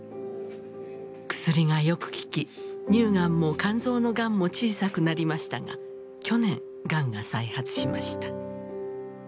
薬がよく効き乳がんも肝臓のがんも小さくなりましたが去年がんが再発しました。